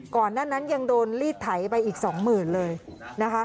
ก่อนนั้นนั้นยังโดนรีดไถไปอีก๒๐๐๐๐เลยนะคะ